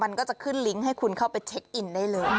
มันก็จะขึ้นลิงก์ให้คุณเข้าไปเช็คอินได้เลย